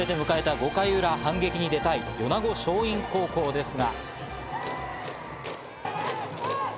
５回裏、反撃に出たい米子松蔭高校ですが。